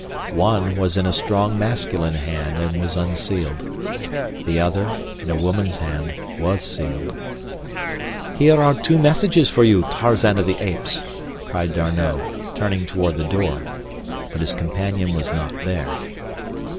One was in a strong masculine hand and was unsealed. The other, in a woman's hand, was sealed. "Here are two messages for you, Tarzan of the Apes," cried D'Arnot, turning toward the door; but his companion was not there.